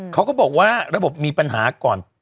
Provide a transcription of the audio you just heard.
เขาก็บอกว่าระบบมีปัญหาก่อน